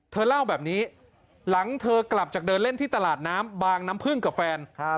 เธอเล่าแบบนี้หลังเธอกลับจากเดินเล่นที่ตลาดน้ำบางน้ำพึ่งกับแฟน